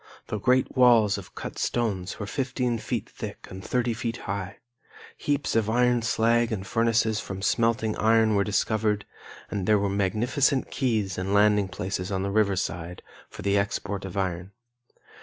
The great walls of cut stones were 15 feet thick and 30 feet high. Heaps of iron slag and furnaces for smelting iron were discovered, and there were magnificent quays and landing places on the river side, for the export of iron.